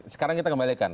sekarang kita kembalikan